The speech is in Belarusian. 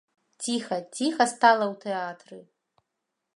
Ціха, ціха стала ў тэатры.